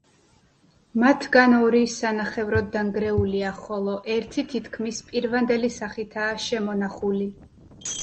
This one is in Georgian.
მათგან ორი სანახევროდ დანგრეულია, ხოლო ერთი თითქმის პირვანდელი სახითაა შემონახული.